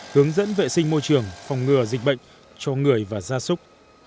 hướng dẫn vệ sinh môi trường phòng ngừa dịch bệnh cho người và gia súc